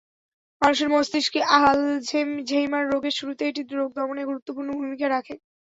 মানুষের মস্তিষ্কে আলঝেইমার রোগের শুরুতে এটি রোগ দমনে গুরুত্বপূর্ণ ভূমিকা রাখে।